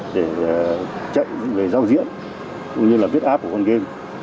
để trách về giao diễn cũng như là viết app của con game